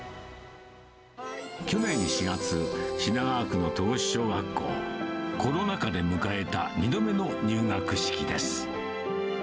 去年４月、品川区の戸越小学校。コロナ禍で迎えた２度目の入学式です。